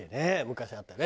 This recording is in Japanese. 昔あったね。